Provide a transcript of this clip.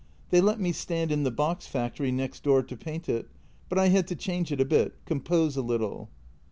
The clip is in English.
They let me stand in the box factory next door to paint it, but I had to change it a bit — compose a little."